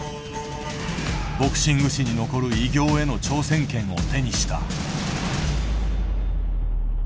ボクシング史に残る偉業への挑戦権を手にした。